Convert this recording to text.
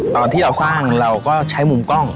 ตอนที่เราสร้างเราก็ใช้มุมกล้อง